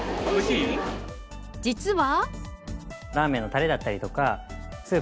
実は。